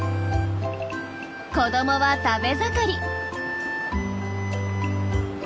子どもは食べ盛り。